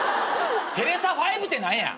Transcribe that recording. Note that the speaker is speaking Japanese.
「テレサ・ファイブ」って何や。